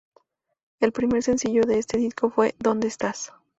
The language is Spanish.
El primer sencillo de este disco fue "¿Dónde estás?".